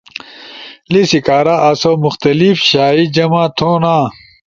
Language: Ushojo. لیسی کارا آسو مخلتف شائی جمع تھونا ۔